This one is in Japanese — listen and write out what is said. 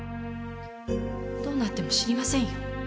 どうなっても知りませんよ。